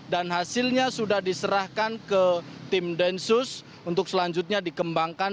dan hasilnya sudah diserahkan ke tim densus untuk selanjutnya dikembangkan